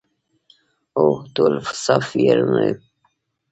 هو، ټول سافټویرونه